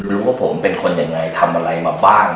รู้ว่าผมเป็นคนยังไงทำอะไรมาบ้าง